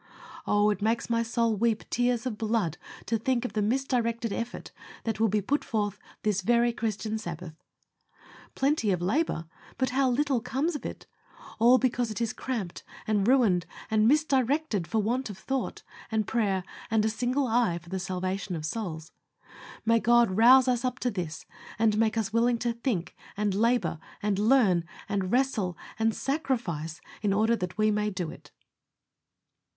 Oh! it makes my soul weep tears of blood to think of the misdirected effort that will be put forth this very Christian Sabbath. Plenty of labor, but how little comes of it? all because it is cramped, and ruined, and misdirected, for want of thought, and prayer, and a single eye for the salvation of souls. May God rouse us up to this, and make us willing to think, and labor, and learn, and wrestle, and sacrifice, in order that we may do it.